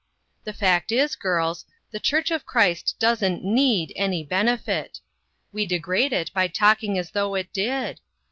" The fact is, girls, the church of Christ '83 184 INTERRUPTED. doesn't need any benefit. We degrade it by talking as though it did.